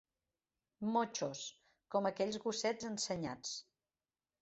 Motxos, com aquells gossets ensenyats